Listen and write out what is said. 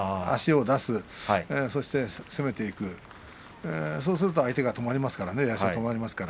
足を出す、そして攻めていくそうすると相手が止まりますからね。